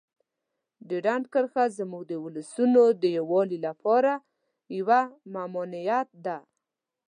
ډیورنډ کرښه زموږ د ولسونو د یووالي لپاره یوه ممانعت ده.